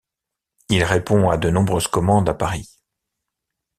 Il répond à de nombreuses commandes à Paris.